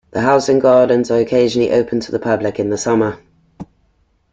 The house and gardens are occasionally open to the public in the summer.